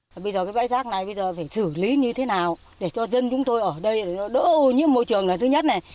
bây giờ cái bãi rác này phải xử lý như thế nào để cho dân chúng tôi ở đây đỡ ô nhiễm môi trường là thứ nhất